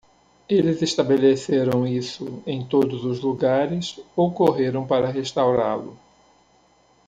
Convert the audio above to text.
Eles estabeleceram isso em todos os lugares, ou correram para restaurá-lo.